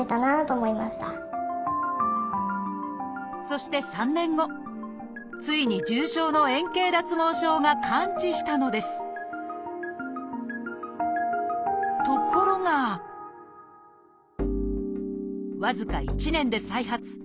そして３年後ついに重症の円形脱毛症が完治したのですところが僅か１年で再発。